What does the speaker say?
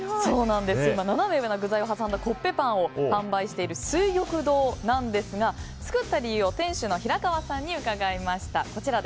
今、ナナメ上な具材を挟んだコッペパンを販売している翠玉堂なんですが作った理由を店主の平川さんに伺いました。